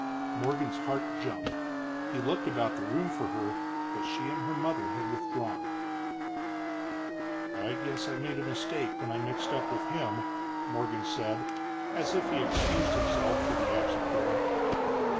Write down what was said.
Morgan's heart jumped. He looked about the room for her, but she and her mother had withdrawn. "I guess I made a mistake when I mixed up with him," Morgan said, as if he excused himself to the absent girl.